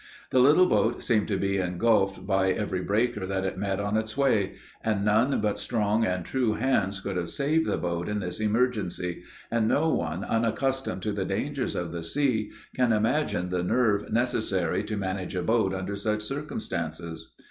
The little boat seemed to be engulphed by every breaker that it met on its way, and none but strong and true hands could have saved the boat in this emergency, and no one unaccustomed to the dangers of the sea, can imagine the nerve necessary to manage a boat under such circumstances.